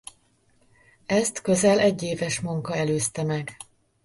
Ezt közel egyéves munka előzte meg.